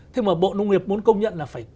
thế mà bộ nông nghiệp muốn công nhận là phải